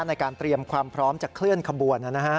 ในการเตรียมความพร้อมจะเคลื่อนขบวน